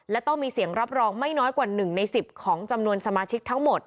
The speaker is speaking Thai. และต้องมีเสียงรับรองไม่น้อยกว่า๑ใน๑๐ของจำนวนสมาชิกทั้งหมด